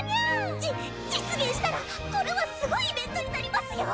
じ実現したらこれはすごいイベントになりますよ！